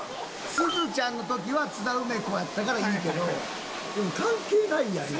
すずちゃんの時は津田梅子やったからいいけど関係ないやん。